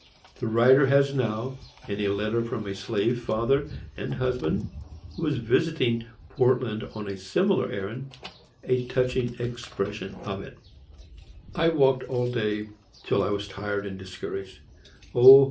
The writer has now, in a letter from a slave father and husband who was visiting Portland on a similar errand, a touching expression of it: I walked all day, till I was tired and discouraged. O!